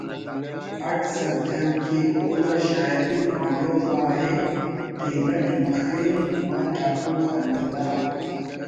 اٹ سر جم کیک اونا شاعری خوانوک آ ءِ تینٹ مخفنگ و ٹاکو خلنگ آ